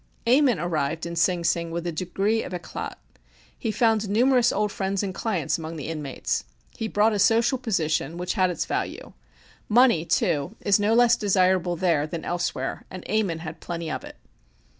Ammon arrived in Sing Sing with a degree of éclat. He found numerous old friends and clients among the inmates. He brought a social position which had its value. Money, too, is no less desirable there than elsewhere, and Ammon had plenty of it.